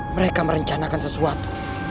mereka merancangkan sesuatu